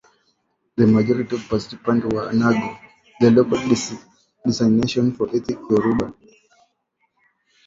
The majority of the participants were Nago, the local designation for ethnic Yoruba.